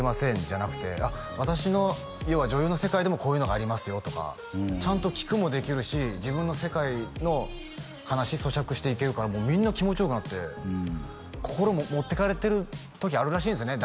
じゃなくて私の要は女優の世界でもこういうのがありますよとかちゃんと聞くもできるし自分の世界の話咀嚼していけるからみんな気持ちよくなって心持っていかれてる時あるらしいんですね